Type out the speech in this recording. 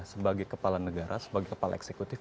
sebagai kepala negara sebagai kepala eksekutif